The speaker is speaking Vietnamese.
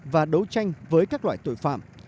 và đấu tranh với các loại tội phạm